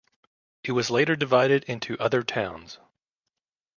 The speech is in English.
It was later divided into other towns.